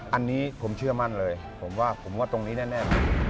อันนี้ผมเชื่อมั่นเลยผมว่าผมว่าตรงนี้แน่